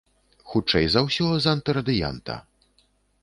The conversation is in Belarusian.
Хутчэй за ўсё, з антырадыянта.